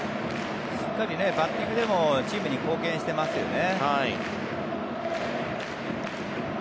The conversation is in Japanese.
しっかりバッティングでもチームに貢献してますよね。